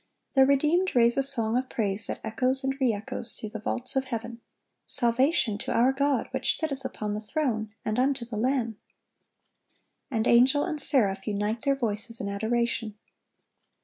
The redeemed raise a song of praise that echoes and re echoes through the vaults of heaven, "Salvation to our God which sitteth upon the throne, and unto the Lamb." And angel and seraph unite their voices in adoration.